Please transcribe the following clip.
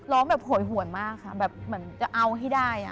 ร้องแบบหวยห่วนมากค่ะแบบจะเอาให้ได้